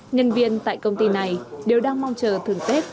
nhân viên tại công ty này đều đang mong chờ thường tết